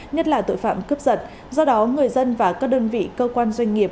nhất là tội phạm cướp giật do đó người dân và các đơn vị cơ quan doanh nghiệp